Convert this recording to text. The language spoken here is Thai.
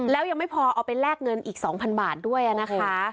แล้วยังไม่พอเอาไปแลกเงินอีก๒๐๐บาทด้วยนะคะ